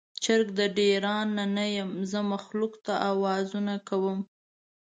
چرګ د ډیران نه یم، زه مخلوق ته اوازونه کوم